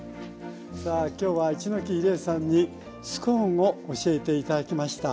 さあ今日は一ノ木理恵さんにスコーンを教えて頂きました。